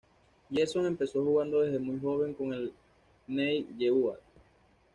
Gershon empezó jugando desde muy joven en el Bnei Yehuda.